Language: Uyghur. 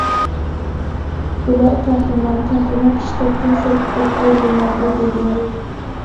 ئۇلار قەھرىمان، قەھرىمان« ئىشتاتتىن سىرت» دەپ ئايرىلمايدۇ، دېدى.